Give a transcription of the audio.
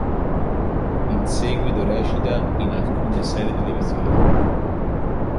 In seguito recita, in alcune serie televisive.